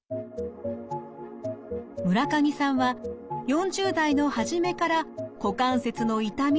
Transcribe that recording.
村上さんは４０代の初めから股関節の痛みに苦しみました。